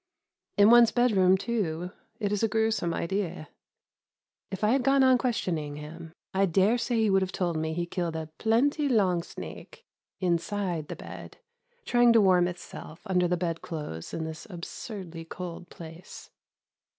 In one's bedroom too, it is a gruesome idea. If I had gone on questioning him, I dare say he would have told me he killed a "plenty long snake" inside the bed, trying to warm itself under the bed clothes in this absurdly cold place.